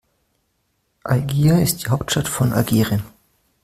Algier ist die Hauptstadt von Algerien.